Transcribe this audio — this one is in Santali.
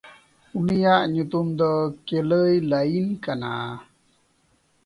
ᱩᱱᱤᱭᱟᱜ ᱧᱩᱛᱩᱢ ᱫᱚ ᱠᱮᱞᱟᱹᱭᱞᱟᱹᱭᱤᱱ ᱠᱟᱱᱟ᱾